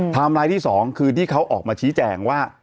ไทม์ไลน์ที่สองคือที่เขาออกมาชี้แจ่งว่า